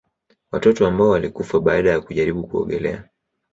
Watoto ambao walikufa baada ya kujaribu kuogelea